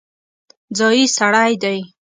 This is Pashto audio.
ځايي سړی دی.